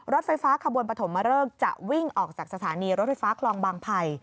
รถไฟฟ้าขบวนปฐมเริกจะวิ่งออกจากสถานีรถไฟฟ้าคลองบางไผ่